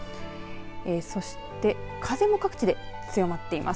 そして風も各地で強まっています。